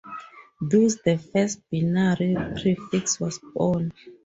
Thus the first binary prefix was born.